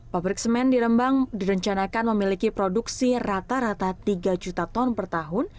pabrik semen di rembang direncanakan memiliki produksi rata rata tiga juta ton per tahun